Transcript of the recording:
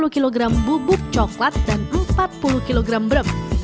sepuluh kg bubuk coklat dan empat puluh kg brem